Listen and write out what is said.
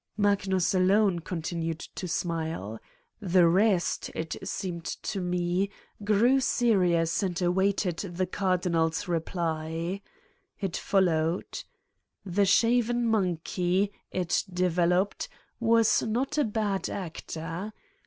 ' Magnus alone continued to smile. The rest, it seemed to me, grew serious and awaited the Car dinal's reply. It followed. The shaven monkey, it developed, was not a bad actor.